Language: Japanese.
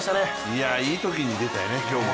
いや、いいときに出たよね、今日も。